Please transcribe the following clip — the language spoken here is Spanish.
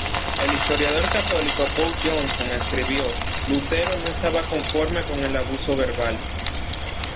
El historiador católico Paul Johnson escribió: "Lutero no estaba conforme con el abuso verbal.